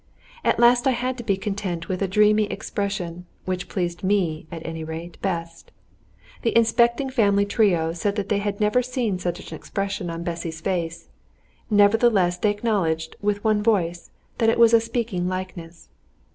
At last I had to be content with a dreamy expression, which pleased me, at any rate, best. The inspecting family trio said that they had never seen such an expression on Bessy's face; nevertheless they acknowledged, with one voice, that it was a speaking likeness.